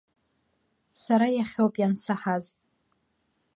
Сара иахьоуп иансаҳаз.